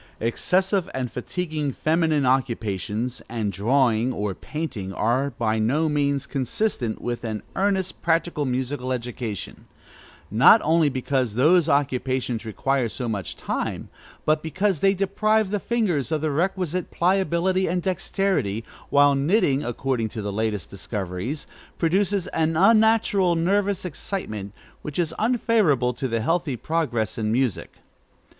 Excessive and fatiguing feminine occupations, and drawing, or painting, are by no means consistent with an earnest, practical musical education; not only because both those occupations require so much time, but because they deprive the fingers of the requisite pliability and dexterity, while knitting, according to the latest discoveries, produces an unnatural nervous excitement, which is unfavorable to healthy progress in music.